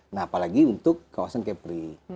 nah apalagi untuk kawasan kepri